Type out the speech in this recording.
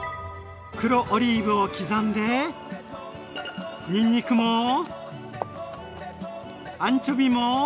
黒オリーブを刻んでにんにくもアンチョビも。